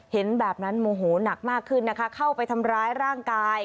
เห็นแบบนั้นโมโหนักมากขึ้นนะคะเข้าไปทำร้ายร่างกาย